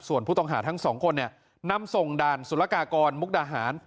ส่วนผู้ต้องหาทั้งสองคนเนี่ยนำส่งด่านสุรกากรมุกดาหาร